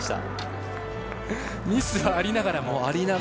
ミスがありながらも。